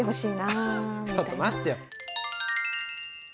ちょっと待ってよ！